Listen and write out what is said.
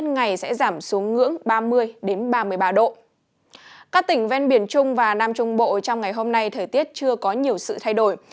trên biển trung và nam trung bộ trong ngày hôm nay thời tiết chưa có nhiều sự thay đổi